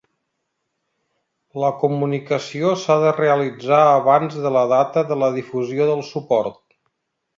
La comunicació s'ha de realitzar abans de la data de la difusió del suport.